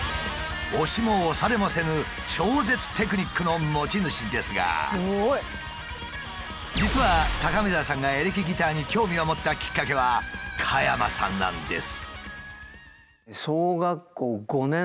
押しも押されもせぬ超絶テクニックの持ち主ですが実は高見沢さんがエレキギターに興味を持ったきっかけは加山さんなんです。